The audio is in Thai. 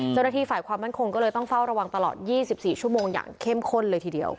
เจ้าหน้าที่ฝ่ายความมั่นคงก็เลยต้องเฝ้าระวังตลอด๒๔ชั่วโมงอย่างเข้มข้นเลยทีเดียว